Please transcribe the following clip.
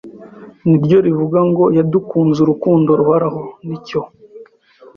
niryo rivuga ngo yadukunze urukundo ruhoraho nicyo